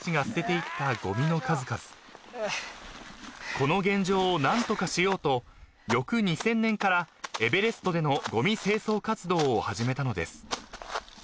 ［この現状を何とかしようと翌２０００年からエベレストでのごみ清掃活動を始めたのです］